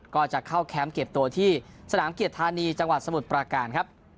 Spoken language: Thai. ก็จะเข้าแคมป์เก็บตัวที่สนามเกียรติธานีจังหวัดสมุทรปราการครับ